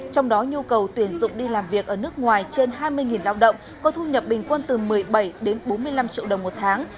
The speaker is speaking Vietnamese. trong đó nhu cầu tuyển dụng đi làm việc ở nước ngoài trên hai mươi lao động có thu nhập bình quân từ một mươi bảy đến bốn mươi năm triệu đồng một tháng